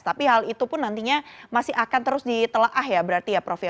tapi hal itu pun nantinya masih akan terus ditelah ya berarti ya prof ya